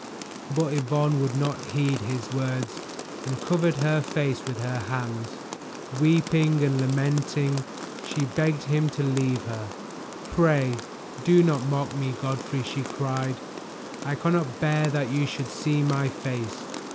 But Yvonne would not heed his words, and covered her face with her hands. Weeping and lamenting, she begged him to leave her. "Pray do not mock me, Godfrey," she cried, "I cannot bear that you should see my face.